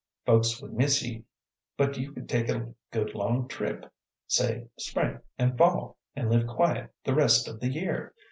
"Folks would miss ye, but you could take a good long trip, say spring an' fall, an' live quiet the rest of the year.